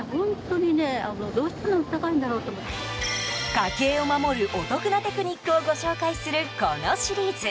家計を守るお得なテクニックをご紹介するこのシリーズ。